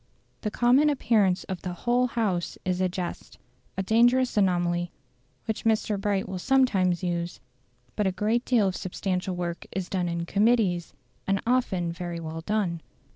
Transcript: The common appearance of the "whole House" is a jest a dangerous anomaly, which Mr. Bright will sometimes use; but a great deal of substantial work is done in "Committees," and often very well done.